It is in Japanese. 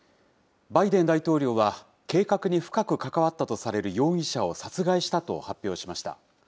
バイデン大統領は、計画に深く関わったとされる容疑者を殺害したと発表しました。